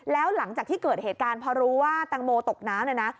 แล้วหลังจากที่เกิดเหตุการณ์พอรู้ว่าแตงโมตกน้ำเนี่ยนะ